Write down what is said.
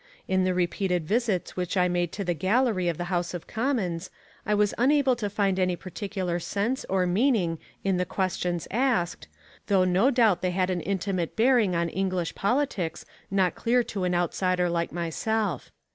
In the repeated visits which I made to the gallery of the House of Commons I was unable to find any particular sense or meaning in the questions asked, though no doubt they had an intimate bearing on English politics not clear to an outsider like myself.